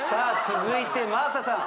続いて真麻さん。